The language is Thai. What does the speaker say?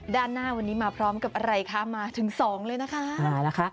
ด้านหน้าวันนี้มาพร้อมกับอะไรคะมาถึงสองเลยนะคะมาแล้วค่ะ